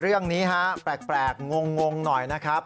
เรื่องนี้ฮะแปลกงงหน่อยนะครับ